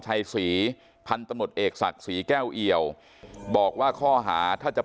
ชัยศรีพันธุ์ตำรวจเอกศักดิ์ศรีแก้วเอี่ยวบอกว่าข้อหาถ้าจะ